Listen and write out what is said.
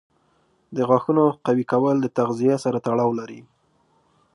د غاښونو قوي کول د تغذیې سره تړاو لري.